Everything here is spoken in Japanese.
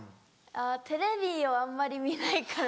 テレビをあんまり見ないから。